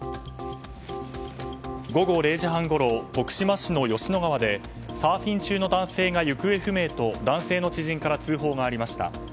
午後０時半ごろ徳島市の吉野川でサーフィン中の男性が行方不明と男性の知人から通報がありました。